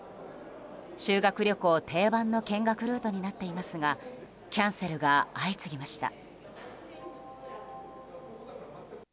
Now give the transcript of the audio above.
修学旅行定番の見学ルートになっていますがキャンセルが相次ぎました。